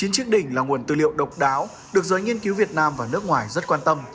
chín chiếc đỉnh là nguồn tư liệu độc đáo được giới nghiên cứu việt nam và nước ngoài rất quan tâm